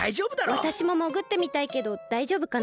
わたしももぐってみたいけどだいじょうぶかな？